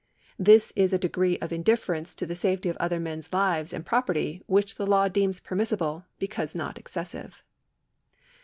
This is a degree of indifference to the safety of other men's lives and property which the law deems permissible because not excessive.